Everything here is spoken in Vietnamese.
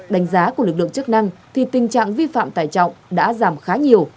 đánh giá của lực lượng chức năng thì tình trạng vi phạm tải trọng đã giảm khá nhiều